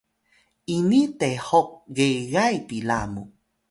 ini tehuk gegay pila mu